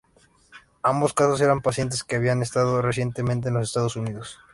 Ambos casos eran pacientes que habían estado recientemente en los Estados Unidos.